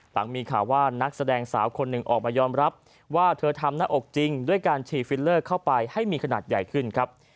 หลังมีข่าวว่านักแสดงสาวคนหนึ่งออกมายอมรับว่าเธอทำหน้าอกจริงด้วยการฉีดฟิลเลอร์เข้าไปให้มีขนาดใหญ่ขึ้นครับ